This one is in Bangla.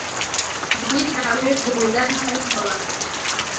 দুই গ্রামের জমিদার ভারি দলাদলি।